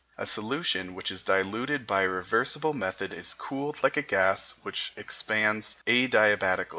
A solution which is diluted by a reversible method is cooled like a gas which expands adiabatically.